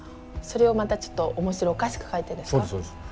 それをまたちょっと面白おかしく書いてるんですか？